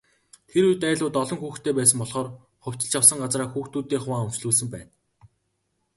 Тэр үед, айлууд олон хүүхэдтэй байсан болохоор хувьчилж авсан газраа хүүхдүүддээ хуваан өмчлүүлсэн байна.